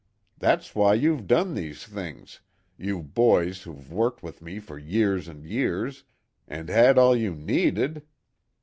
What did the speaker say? That's why you've done these things, you boys who've worked with me for years and years, and had all you needed.